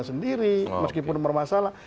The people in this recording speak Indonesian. sendiri meskipun bermasalah